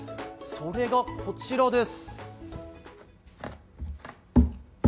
それが、こちらです。